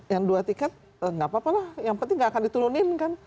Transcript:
yang dua tiket nggak apa apa lah yang penting nggak akan diturunin kan